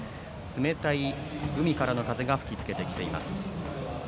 冷たい海からの風が吹きつけています。